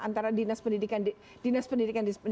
antara dinas pendidikan